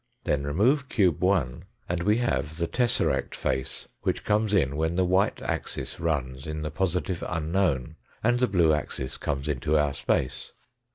Then remove cube 1 and we have the tesseract face which comes in when the white axis runs in the positive unknown, and the blue axis comes into our space.